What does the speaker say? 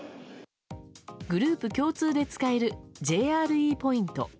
グループ共通で使えるＪＲＥＰＯＩＮＴ。